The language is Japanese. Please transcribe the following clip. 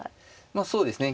そうですね。